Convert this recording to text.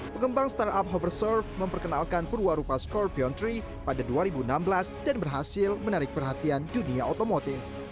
pengembang startup hoverserf memperkenalkan perwarupa scorpion tiga pada dua ribu enam belas dan berhasil menarik perhatian dunia otomotif